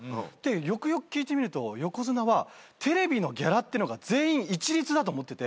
よくよく聞いてみると横綱はテレビのギャラってのが全員一律だと思ってて。